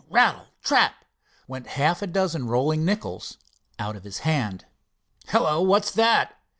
rattle! tap! went half a dozen rolling nickles out of his hand. "Hello, what's that?"